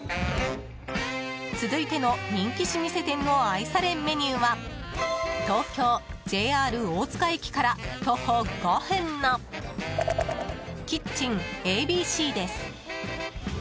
続いての人気老舗店の愛されメニューは東京・ＪＲ大塚駅から徒歩５分のキッチンＡＢＣです。